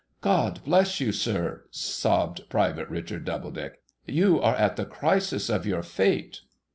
' God bless you, sir !' sobbed Private Richard Doubledick. ' You are at the crisis of your fate.